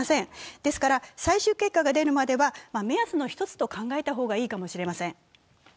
ですから最終結果が出るまでは目安の１つと考えた方がいいかもしれません。